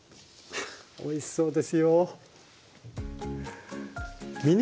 おいしそうですよ。